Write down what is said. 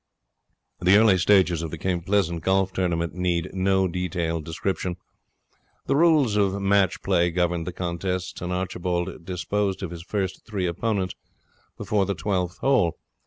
The early stages of the Cape Pleasant golf tournament need no detailed description. The rules of match play governed the contests, and Archibald disposed of his first three opponents before the twelfth hole.